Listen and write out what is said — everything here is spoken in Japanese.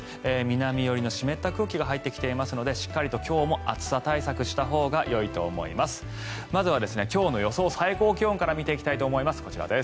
南寄りの湿った空気が入ってきていますのでしっかりと今日も暑さ対策したほうがよいと思います。